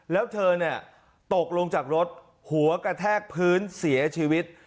แล้วเธอเนี่ยตกลงจากรถหัวกระแทกพื้นเสียชีวิต